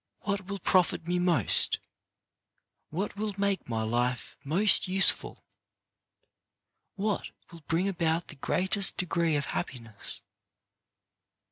What will profit me most ? What will make my life most useful ? What will bring about the greatest degree of happiness?